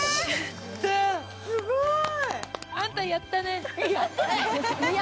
すごい！